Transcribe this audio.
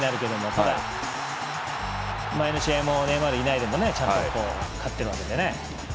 ただ、前の試合もネイマールがいなくてもちゃんと勝ってるしね。